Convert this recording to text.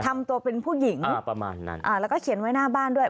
ทำตัวเป็นผู้หญิงแล้วก็เขียนไว้หน้าบ้านด้วย